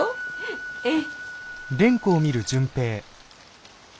えっ。